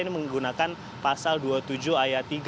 ini menggunakan pasal dua puluh tujuh ayat tiga